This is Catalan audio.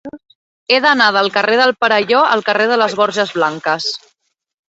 He d'anar del carrer del Perelló al carrer de les Borges Blanques.